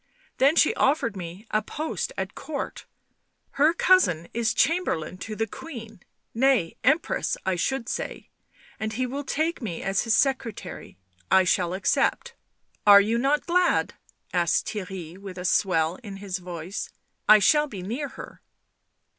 " Then she offered me a post at Court. Her cousin is Cham berlain to the Queen — nay, Empress, I should say — and he will take me as his secretary. I shall accept." Are you not glad ?" asked Theirry, with a swell in his voice. " I shall be near her.